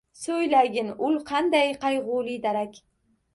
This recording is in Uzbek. So’ylagin, ul qanday qayg’uli darak